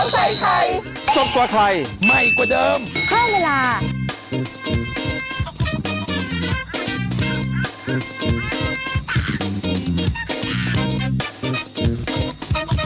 สวัสดีค่ะ